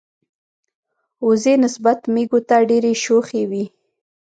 وزې نسبت مېږو ته ډیری شوخی وی.